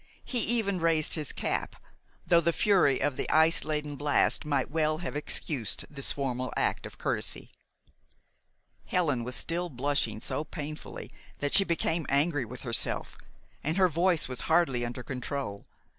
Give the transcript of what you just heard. He even raised his cap, though the fury of the ice laden blast might well have excused this formal act of courtesy. Helen was still blushing so painfully that she became angry with herself, and her voice was hardly under control.